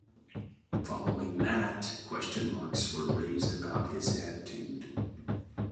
Following that, question marks were raised about his attitude.